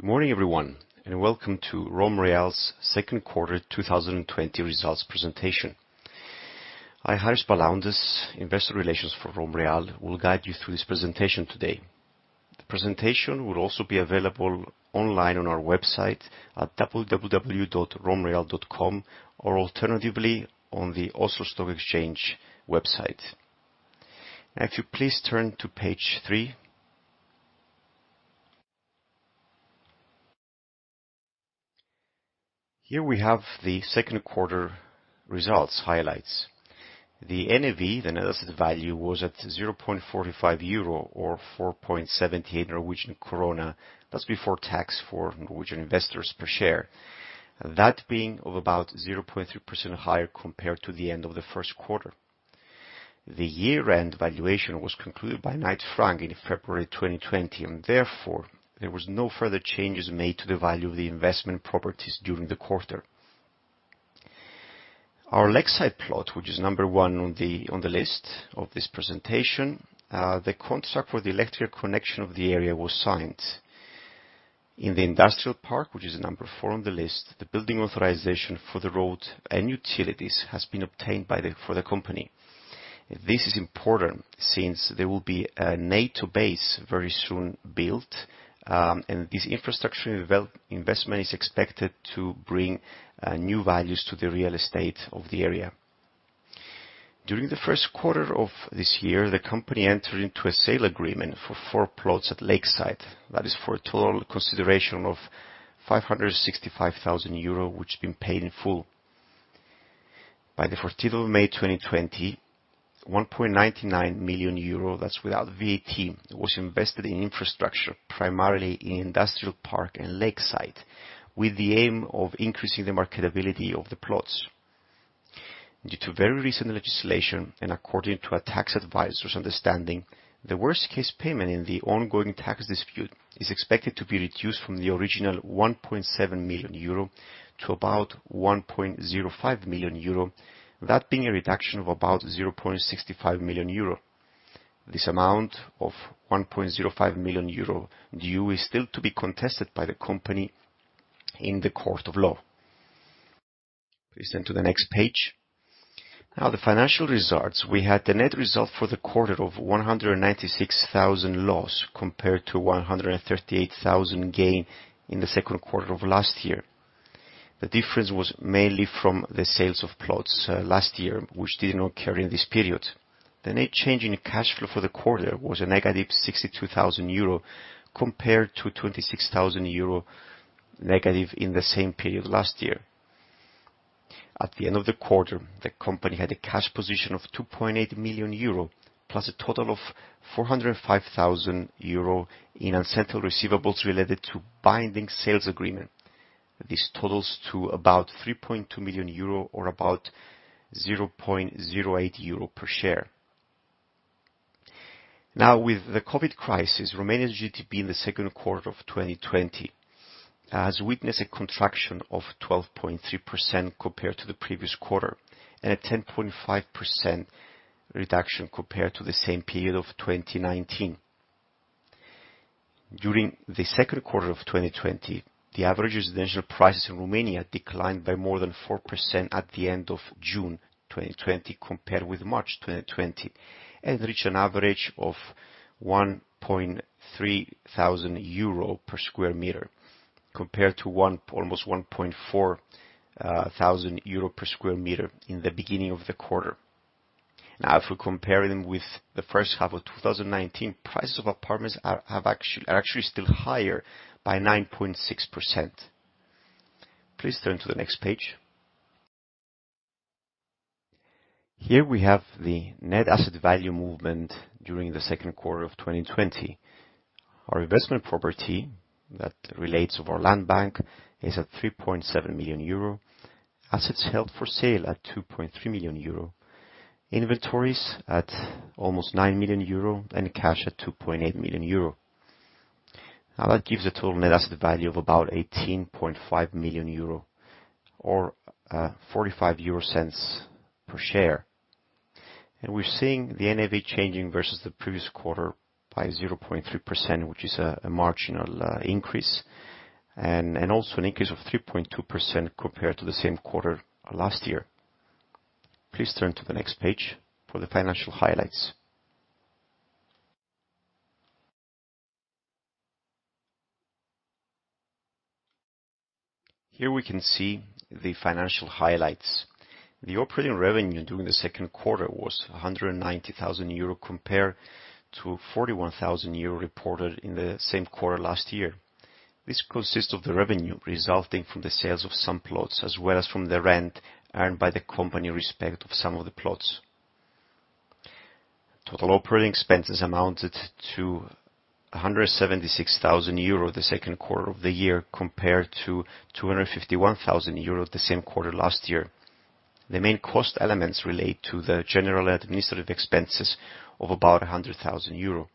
Good morning everyone, and welcome to RomReal's second quarter 2020 results presentation. I, Harris Palaondas, Investor Relations for RomReal, will guide you through this presentation today. The presentation will also be available online on our website at www.romreal.com or alternatively, on the Oslo Stock Exchange website. Now, if you please turn to page three. Here we have the second quarter results highlights. The NAV, the net asset value, was at 0.45 euro or 4.78 Norwegian krone. That's before tax for Norwegian investors per share. That being of about 0.3% higher compared to the end of the first quarter. The year-end valuation was concluded by Knight Frank in February 2020, and therefore, there was no further changes made to the value of the investment properties during the quarter. Our Lakeside plot, which is number one on the list of this presentation, the contract for the electric connection of the area was signed. In the Industrial Park, which is number four on the list, the building authorization for the road and utilities has been obtained for the company. This is important since there will be a NATO base very soon built, and this infrastructure investment is expected to bring new values to the real estate of the area. During the first quarter of this year, the company entered into a sale agreement for four plots at Lakeside. That is for a total consideration of 565,000 euro, which has been paid in full. By the 14 May 2020, 1.99 million euro, that's without VAT, was invested in infrastructure primarily in Industrial Park and Lakeside with the aim of increasing the marketability of the plots. Due to very recent legislation and according to our tax advisor's understanding, the worst-case payment in the ongoing tax dispute is expected to be reduced from the original 1.7 million euro to about 1.05 million euro, that being a reduction of about 0.65 million euro. This amount of 1.05 million euro due is still to be contested by the company in the court of law. Please turn to the next page. Now the financial results. We had the net result for the quarter of 196,000 loss compared to 138,000 gain in the second quarter of last year. The difference was mainly from the sales of plots last year, which did not occur in this period. The net change in cash flow for the quarter was a negative 62,000 euro compared to 26,000 euro negative in the same period last year. At the end of the quarter, the company had a cash position of 2.8 million euro plus a total of 405,000 euro in unsettled receivables related to binding sales agreement. This totals to about 3.2 million euro or about 0.08 euro per share. With the COVID-19 crisis, Romania's GDP in the second quarter of 2020 has witnessed a contraction of 12.3% compared to the previous quarter, and a 10.5% reduction compared to the same period of 2019. During the second quarter of 2020, the average residential prices in Romania declined by more than 4% at the end of June 2020 compared with March 2020 and reached an average of 1.3 thousand euro per square meter compared to almost 1.4 thousand euro per square meter in the beginning of the quarter. If we compare them with the first half of 2019, prices of apartments are actually still higher by 9.6%. Please turn to the next page. Here we have the net asset value movement during the second quarter of 2020. Our investment property that relates of our land bank is at 3.7 million euro. Assets held for sale at 2.3 million euro. Inventories at almost 9 million euro, and cash at 2.8 million euro. That gives a total net asset value of about 18.5 million euro or 0.45 per share. We're seeing the NAV changing versus the previous quarter by 0.3%, which is a marginal increase, and also an increase of 3.2% compared to the same quarter last year. Please turn to the next page for the financial highlights. Here we can see the financial highlights. The operating revenue during the second quarter was 190,000 euro compared to 41,000 euro reported in the same quarter last year. This consists of the revenue resulting from the sales of some plots as well as from the rent earned by the company in respect of some of the plots. Total operating expenses amounted to 176,000 euro the second quarter of the year compared to 251,000 euro the same quarter last year. The main cost elements relate to the general administrative expenses of about 100,000 euro.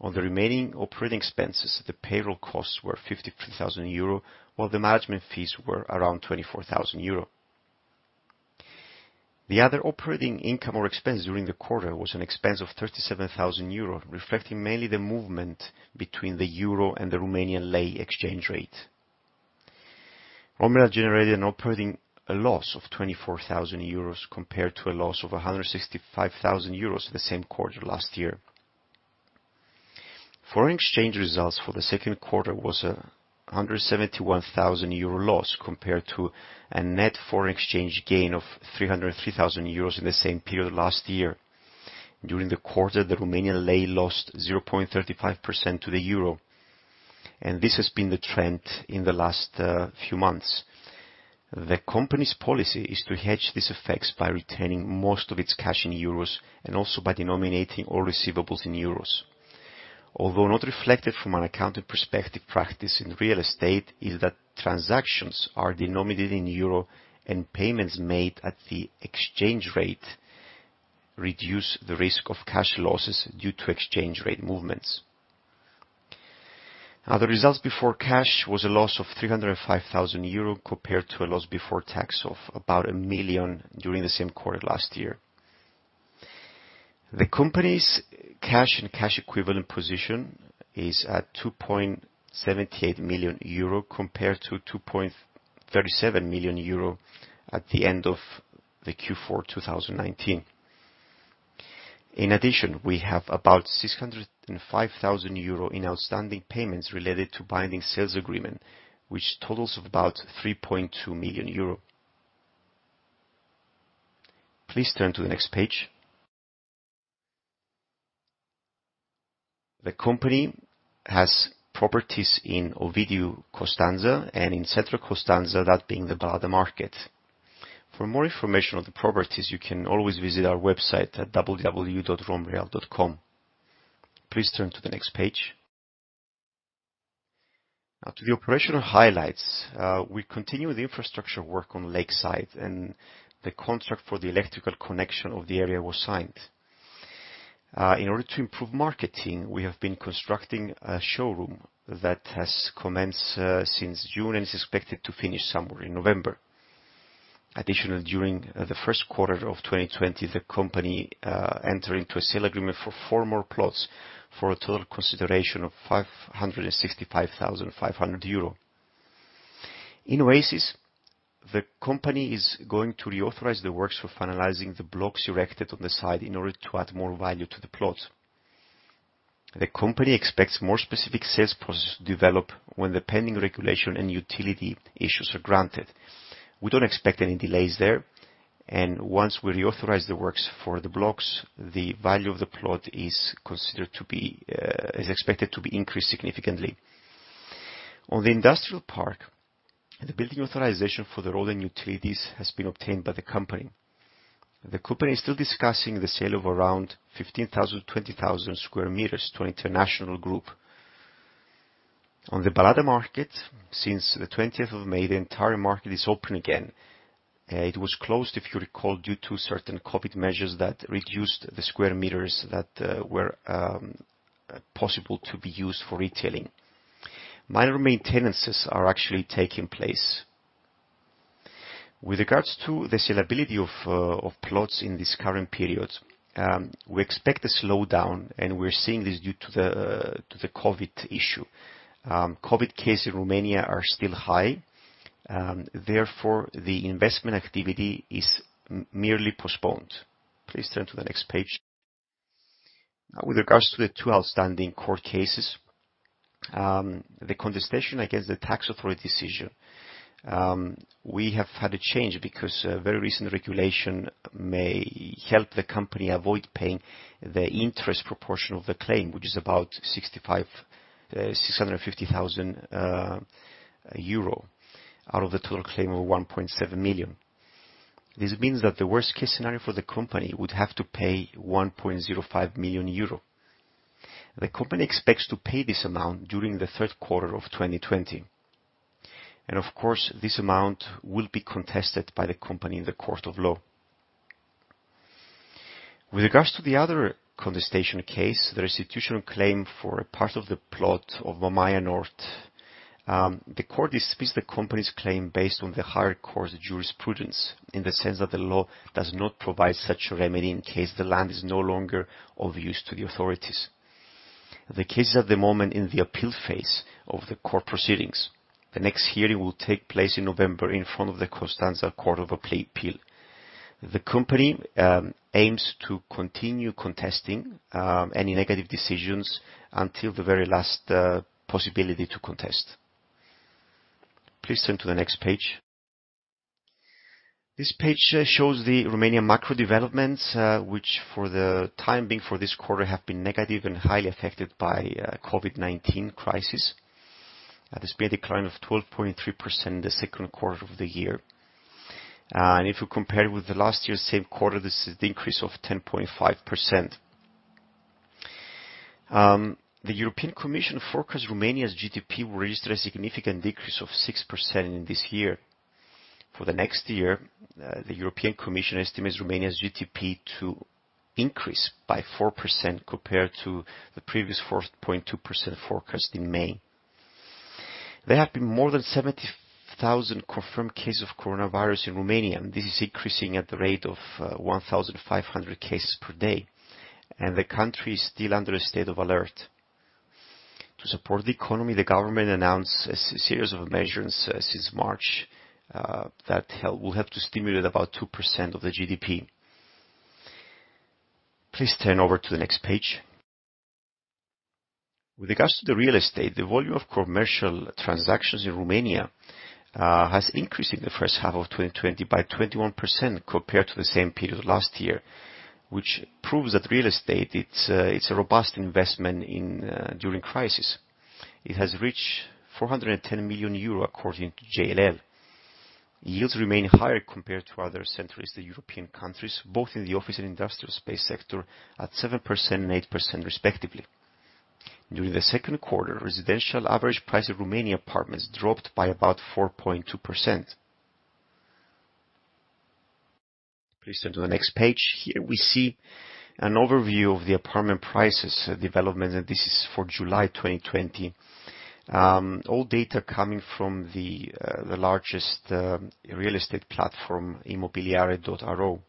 On the remaining operating expenses, the payroll costs were 53,000 euro, while the management fees were around 24,000 euro. The other operating income or expense during the quarter was an expense of 37,000 euro, reflecting mainly the movement between the euro and the Romanian leu exchange rate. RomReal generated an operating loss of 24,000 euros compared to a loss of 165,000 euros the same quarter last year. Foreign exchange results for the second quarter was a 171,000 euro loss, compared to a net foreign exchange gain of 303,000 euros in the same period last year. During the quarter, the Romanian leu lost 0.35% to the euro, and this has been the trend in the last few months. The company's policy is to hedge these effects by retaining most of its cash in euros and also by denominating all receivables in euros. Although not reflected from an accounting perspective, practice in real estate is that transactions are denominated in euro, and payments made at the exchange rate reduce the risk of cash losses due to exchange rate movements. The results before tax was a loss of 305,000 euro compared to a loss before tax of about 1 million during the same quarter last year. The company's cash and cash equivalent position is at 2.78 million euro, compared to 2.37 million euro at the end of the Q4 2019. In addition, we have about 605,000 euro in outstanding payments related to binding sales agreement, which totals of about 3.2 million euro. Please turn to the next page. The company has properties in Ovidiu, Constanta and in Centru Constanta, that being the Balada Market. For more information on the properties, you can always visit our website at www.romreal.com. Please turn to the next page. Now to the operational highlights. We continue the infrastructure work on Lakeside and the contract for the electrical connection of the area was signed. In order to improve marketing, we have been constructing a showroom that has commenced since June and is expected to finish somewhere in November. Additionally, during the first quarter of 2020, the company entered into a sale agreement for four more plots for a total consideration of 565,500 euro. In Oasis, the company is going to reauthorize the works for finalizing the blocks erected on the site in order to add more value to the plots. The company expects more specific sales process to develop when the pending regulation and utility issues are granted. We don't expect any delays there. Once we reauthorize the works for the blocks, the value of the plot is expected to be increased significantly. On the industrial park, the building authorization for the road and utilities has been obtained by the company. The company is still discussing the sale of around 15,000 to 20,000 square meters to an international group. On the Balada Market, since the 20th of May, the entire market is open again. It was closed, if you recall, due to certain COVID measures that reduced the square meters that were possible to be used for retailing. Minor maintenance are actually taking place. With regards to the sellability of plots in this current period, we expect a slowdown. We're seeing this due to the COVID issue. COVID cases in Romania are still high, therefore, the investment activity is merely postponed. Please turn to the next page. Now with regards to the two outstanding court cases. The contestation against the tax authority decision. We have had a change because a very recent regulation may help the company avoid paying the interest proportion of the claim, which is about 650,000 euro out of the total claim of 1.7 million. This means that the worst-case scenario for the company would have to pay 1.05 million euro. The company expects to pay this amount during the third quarter of 2020. Of course, this amount will be contested by the company in the court of law. With regards to the other contestation case, the institutional claim for a part of the plot of Mamaia North. The court dismissed the company's claim based on the higher court's jurisprudence in the sense that the law does not provide such a remedy in case the land is no longer of use to the authorities. The case is at the moment in the appeal phase of the court proceedings. The next hearing will take place in November in front of the Constanta Court of Appeal. The company aims to continue contesting any negative decisions until the very last possibility to contest. Please turn to the next page. This page shows the Romanian macro developments, which for the time being for this quarter have been negative and highly affected by COVID-19 crisis. There's been a decline of 12.3% in the second quarter of the year. If you compare with the last year's same quarter, this is the increase of 10.5%. The European Commission forecasts Romania's GDP will register a significant decrease of 6% in this year. For the next year, the European Commission estimates Romania's GDP to increase by 4% compared to the previous 4.2% forecast in May. There have been more than 70,000 confirmed cases of coronavirus in Romania, and this is increasing at the rate of 1,500 cases per day, and the country is still under a state of alert. To support the economy, the government announced a series of measures since March that will help to stimulate about 2% of the GDP. Please turn over to the next page. With regards to the real estate, the volume of commercial transactions in Romania has increased in the first half of 2020 by 21% compared to the same period last year, which proves that real estate, it's a robust investment during crisis. It has reached 410 million euro according to JLL. Yields remain higher compared to other Central Eastern European countries, both in the office and industrial space sector at 7% and 8%, respectively. During the second quarter, residential average price of Romanian apartments dropped by about 4.2%. Please turn to the next page. Here we see an overview of the apartment prices development, and this is for July 2020. All data coming from the largest real estate platform, imobiliare.ro.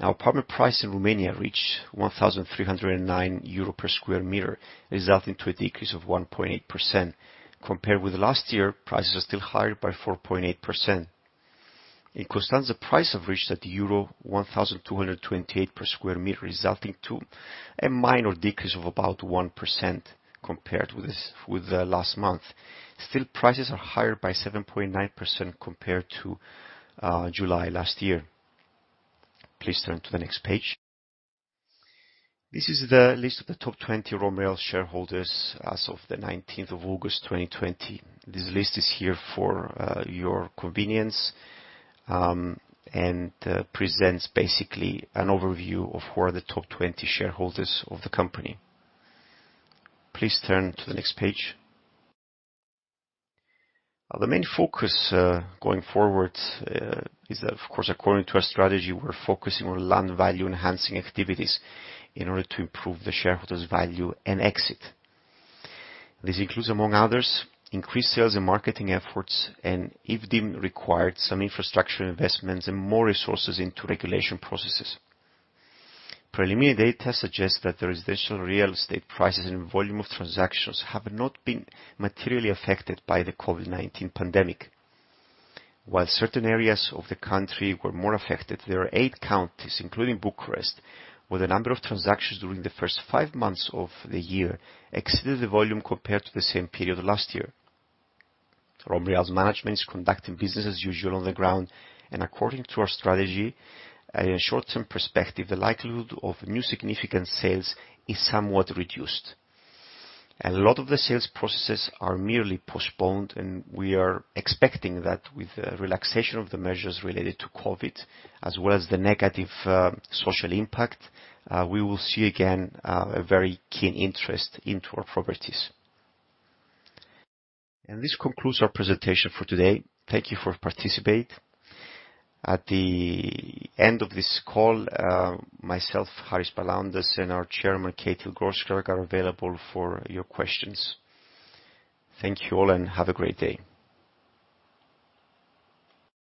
Apartment price in Romania reached 1,309 euro per square meter, resulting to a decrease of 1.8%. Compared with last year, prices are still higher by 4.8%. In Constanta, prices have reached at euro 1,228 per square meter, resulting to a minor decrease of about 1% compared with the last month. Still, prices are higher by 7.9% compared to July last year. Please turn to the next page. This is the list of the top 20 RomReal shareholders as of the 19th of August 2020. This list is here for your convenience, and presents basically an overview of who are the top 20 shareholders of the company. Please turn to the next page. The main focus going forward is, of course, according to our strategy, we're focusing on land value-enhancing activities in order to improve the shareholders' value and exit. This includes, among others, increased sales and marketing efforts, and if required, some infrastructure investments and more resources into regulation processes. Preliminary data suggests that the residential real estate prices and volume of transactions have not been materially affected by the COVID-19 pandemic. While certain areas of the country were more affected, there are eight counties, including Bucharest, where the number of transactions during the first five months of the year exceeded the volume compared to the same period last year. RomReal's management is conducting business as usual on the ground. According to our strategy, in a short-term perspective, the likelihood of new significant sales is somewhat reduced. A lot of the sales processes are merely postponed. We are expecting that with the relaxation of the measures related to COVID-19, as well as the negative social impact, we will see again a very keen interest into our properties. This concludes our presentation for today. Thank you for participate. At the end of this call, myself, Harris Palaondas, and our Chairman, Kjetil Grønskag, are available for your questions. Thank you all, and have a great day.